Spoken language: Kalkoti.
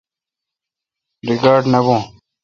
ریکاڑ نہ بھون